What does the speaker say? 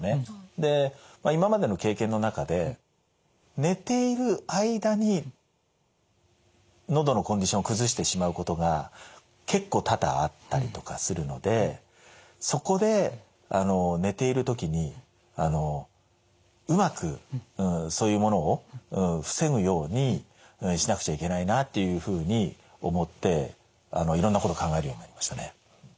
で今までの経験の中で寝ている間にのどのコンディションを崩してしまうことが結構多々あったりとかするのでそこで寝ている時にうまくそういうものを防ぐようにしなくちゃいけないなっていうふうに思っていろんなこと考えるようになりましたね。